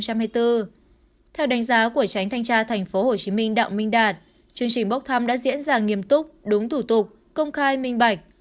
theo đánh giá của tránh thanh tra tp hcm đạo minh đạt chương trình bốc thăm đã diễn ra nghiêm túc đúng thủ tục công khai minh bạch